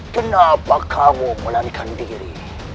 kenapa kamu melarikan diri